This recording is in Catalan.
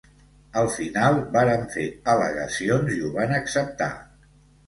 Al final vàrem fer al·legacions i ho van acceptar.